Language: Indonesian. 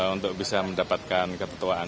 untuk bisa mendapatkan kata tuaan